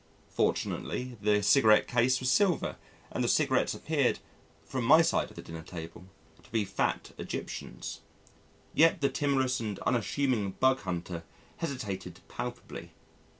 Fortunately the cigarette case was silver and the cigarettes appeared from my side of the dinner table to be fat Egyptians. Yet the timorous and unassuming bug hunter hesitated palpably.